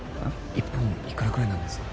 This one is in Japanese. １本いくらぐらいなんですか？